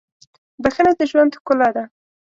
• بښنه د ژوند ښکلا ده.